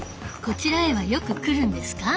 こちらへはよく来るんですか？